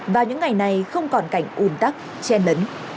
vào những ngày này không còn cảnh ủng tắc che nấn